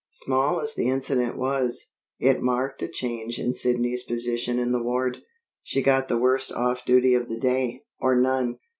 Small as the incident was, it marked a change in Sidney's position in the ward. She got the worst off duty of the day, or none.